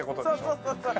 そうそうそうそう。